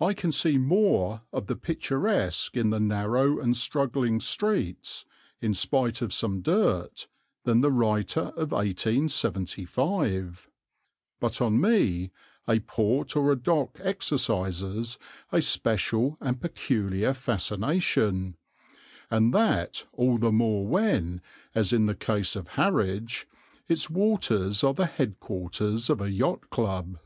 I can see more of the picturesque in the narrow and struggling streets, in spite of some dirt, than the writer of 1875; but on me a port or a dock exercises a special and peculiar fascination, and that all the more when, as in the case of Harwich, its waters are the head quarters of a Yacht Club.